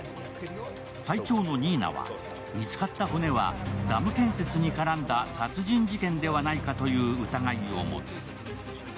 隊長の新名は見つかった骨はダム建設に絡んだ殺人事件ではないかという疑いを持つ。